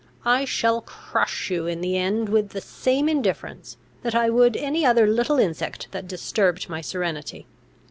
I shall crush you in the end with the same indifference, that I would any other little insect that disturbed my serenity.